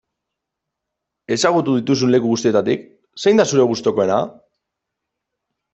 Ezagutu dituzun leku guztietatik zein da zure gustukoena?